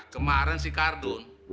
kemaren si kardun